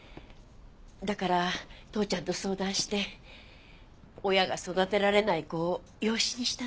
だから父ちゃんと相談して親が育てられない子を養子にしたんだ。